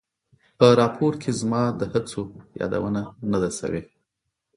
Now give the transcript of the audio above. په راپور کې زما د هڅو یادونه نه ده شوې.